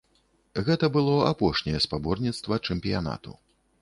Гэта было апошняе спаборніцтва чэмпіянату.